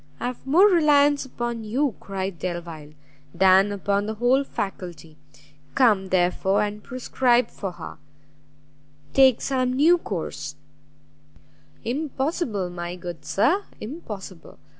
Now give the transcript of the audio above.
"I have more reliance upon you," cried Delvile, than upon the whole faculty; come, therefore, and prescribe for her, take some new course " "Impossible, my good Sir, impossible!